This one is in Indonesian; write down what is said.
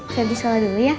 saya pergi sekolah dulu ya